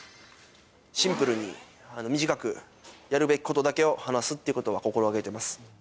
シンプルに、短くやるべきことだけを話すっていうことは心がけてます。